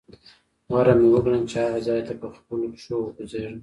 غوره مې وګڼله چې هغه ځاې ته په خپلو پښو وخوځېږم.